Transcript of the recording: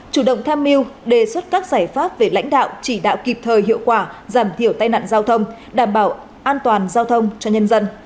chủ động tham mưu đề xuất các giải pháp về lãnh đạo chỉ đạo kịp thời hiệu quả giảm thiểu tai nạn giao thông đảm bảo an toàn giao thông cho nhân dân